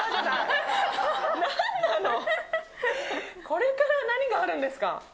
これから何があるんですか？